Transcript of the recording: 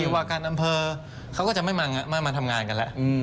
เทียวการอำเภอเขาก็จะไม่กลับมาทำงานกันแล้ว